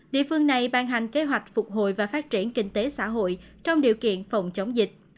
địa phương này ban hành kế hoạch phục hồi và phát triển kinh tế xã hội trong điều kiện phòng chống dịch